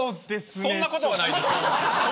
そんなことはないです。